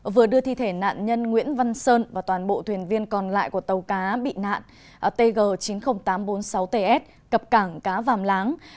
vừa đưa thi thể nạn nhân nguyễn văn sơn và toàn bộ thuyền viên còn lại của tàu cá bị nạn tg chín mươi nghìn tám trăm bốn mươi sáu ts cập cảng cá vàm láng